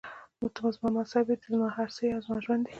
ته زما مذهب یې، ته زما هر څه او زما ژوند یې.